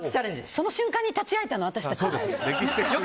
その瞬間に立ち会えたの、私たち。